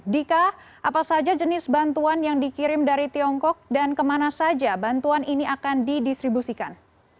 dika apa saja jenis bantuan yang dikirim dari tiongkok dan kemana saja bantuan ini akan didistribusikan